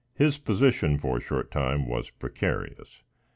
His position, for a short time, was precarious.